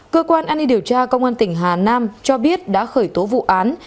cơ quan an ninh điều tra công an tỉnh hà nam cho biết đã khởi tố vụ án